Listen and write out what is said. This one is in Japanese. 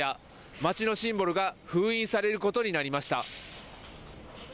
街のシンボルが封印されることになりました。